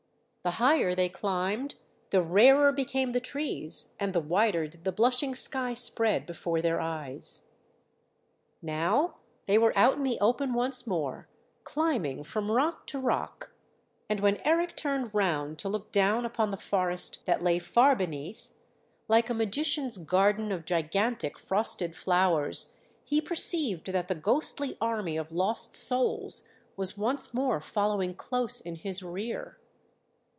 the higher they climbed the rarer became the trees and the wider did the blushing sky spread before their eyes. Now they were out in the open once more, climbing from rock to rock; and when Eric turned round to look down upon the forest that lay far beneath, like a magician's garden of gigantic frosted flowers, he perceived that the ghostly army of lost souls was once more following close in his rear.